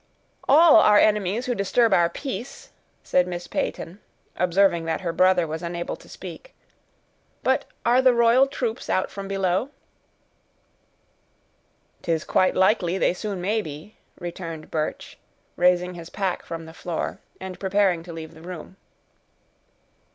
"All are enemies who disturb our peace," said Miss Peyton, observing that her brother was unable to speak. "But are the royal troops out from below?" "'Tis quite likely they soon may be," returned Birch, raising his pack from the floor, and preparing to leave the room.